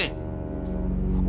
nih gua apa